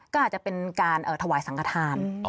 ก็อาจจะเป็นการถวายสังขทาน